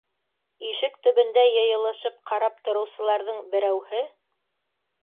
Ишек төбөндә йыйылышып ҡарап тороусыларҙың берәүһе: